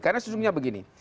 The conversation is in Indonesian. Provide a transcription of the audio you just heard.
karena sesungguhnya begini